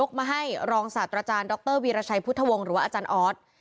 มาให้รองศาสตราจารย์ดรวีรชัยพุทธวงศ์หรือว่าอาจารย์ออส